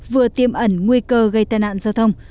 vừa tiêm ẩn nguy cơ gây tai nạn giao thông